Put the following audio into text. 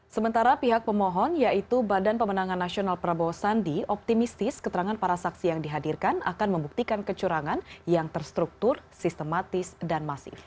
sementara pihak pemohon yaitu badan pemenangan nasional prabowo sandi optimistis keterangan para saksi yang dihadirkan akan membuktikan kecurangan yang terstruktur sistematis dan masif